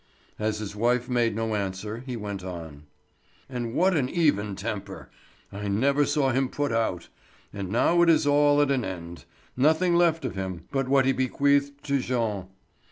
As his wife made no answer he went on: "And what an even temper! I never saw him put out. And now it is all at an end—nothing left of him—but what he bequeathed to Jean.